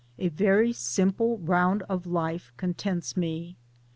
A very simple round of life contents me.